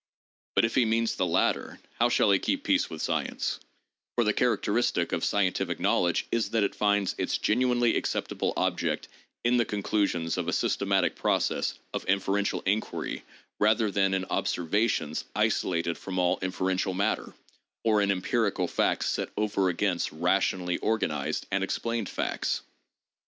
But if he means the latter, how shall he keep peace with science 1 For the characteristic of scientific knowledge is that it finds its genuinely acceptable object in the conclusions of a systematic process of inferential inquiry rather than in "observa tions" isolated from all inferential matter, or in "empirical facte" set over against rationally organized and explained facts.